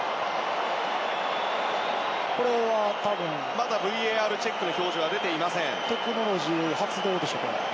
まだＶＡＲチェックの表示が出ていません。